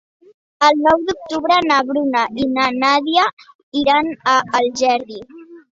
El nou d'octubre na Bruna i na Nàdia iran a Algerri.